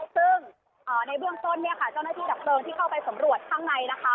ซึ่งในเบื้องต้นเนี่ยค่ะเจ้าหน้าที่ดับเพลิงที่เข้าไปสำรวจข้างในนะคะ